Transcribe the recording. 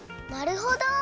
なるほど！